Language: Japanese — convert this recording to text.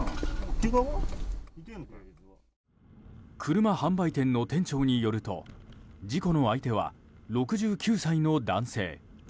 車販売店の店長によると事故の相手は６９歳の男性。